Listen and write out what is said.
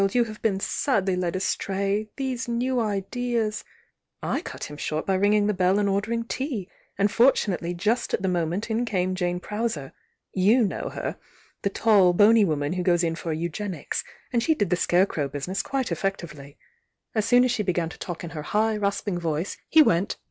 — you have been sadly led astray! These new ideas ' I cut him short by ringing the bell and ordering tea, and fortunately just at the mo ment in came Jane Prowser — you know her! the tail, bony woman who goes in for 'Eugenics,' and die did the scarecrow business quite effectively. .\s THE YOUNG DIANA 81 won u she began to talk In her high, raaping vojce he went!